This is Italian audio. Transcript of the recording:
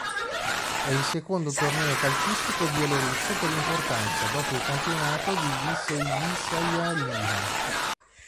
È il secondo torneo calcistico bielorusso per importanza dopo il campionato di Vyšėjšaja Liha.